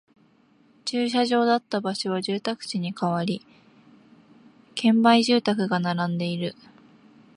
駐車場だった場所は住宅地に変わり、建売住宅が並んでいる